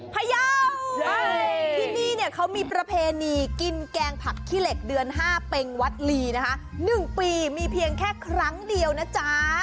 พยาวที่นี่เนี่ยเขามีประเพณีกินแกงผักขี้เหล็กเดือน๕เป็งวัดลีนะคะ๑ปีมีเพียงแค่ครั้งเดียวนะจ๊ะ